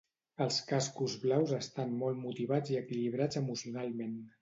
Els cascos blaus estan molt motivats i equilibrats emocionalment.